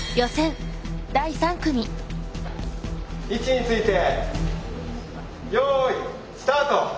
・位置についてよいスタート！